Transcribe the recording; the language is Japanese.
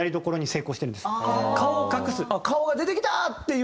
顔が出てきたっていう。